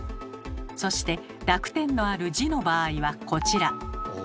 そして濁点のある「ジ」の場合はこちら。